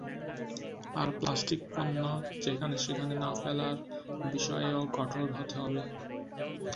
আর প্লাস্টিকপণ্য যেখানে সেখানে না ফেলার বিষয়েও কঠোর হতে হবে।